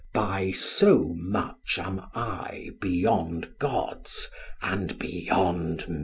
By so much am I beyond gods and beyond men."